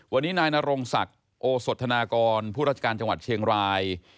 วันนี้นายนรงศักดิ์โอสธนากรผู้ราชการจังหวัดเชียงราย